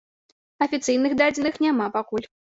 Афіцыйных дадзеных няма пакуль.